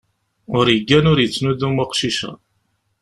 Ur yeggan ur yettnudum uqcic-a.